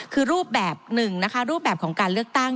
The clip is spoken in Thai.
คือรูปแบบหนึ่งนะคะรูปแบบของการเลือกตั้ง